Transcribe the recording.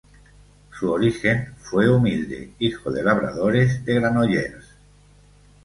Su origen fue humilde, hijo de labradores de Granollers.